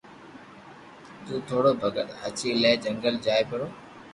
تو ڀورو ڀگت ھاچي لي جنگل جائي پرو